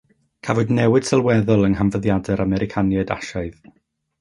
Cafwyd newid sylweddol yng nghanfyddiadau'r Americaniaid Asiaidd.